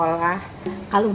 luar malam patung